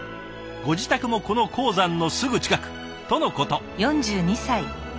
ご自宅もこの鉱山のすぐ近くとのこと。